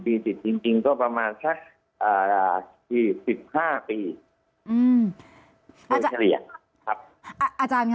๕๐ปีจริงก็ประมาณสัก๑๕ปีเท่าเฉลี่ย